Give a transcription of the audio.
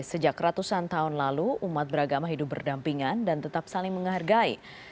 sejak ratusan tahun lalu umat beragama hidup berdampingan dan tetap saling menghargai